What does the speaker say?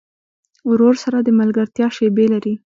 ورور سره د ملګرتیا شیبې لرې.